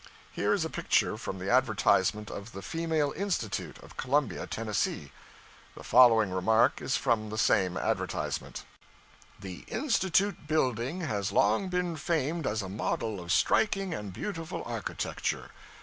Here is a picture from the advertisement of the 'Female Institute' of Columbia; Tennessee. The following remark is from the same advertisement 'The Institute building has long been famed as a model of striking and beautiful architecture.